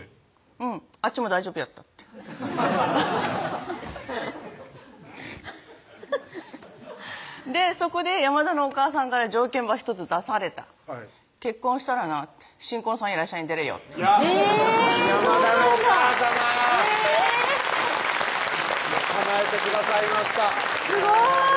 「うんアッチも大丈夫やった」ってそこで山田のおかあさんから条件ば１つ出された「結婚したらな新婚さんいらっしゃい！出れよ」って山田のおかあさまかなえてくださいましたいや